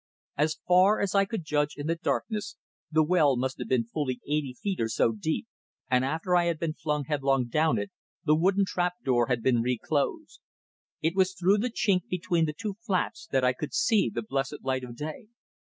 As far as I could judge in the darkness, the well must have been fully eighty feet or so deep, and after I had been flung headlong down it the wooden trap door had been re closed. It was through the chink between the two flaps that I could see the blessed light of day.